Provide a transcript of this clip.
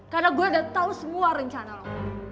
karena gue udah tau semua rencana lo